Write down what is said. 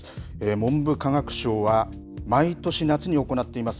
文部科学省は、毎年夏に行っています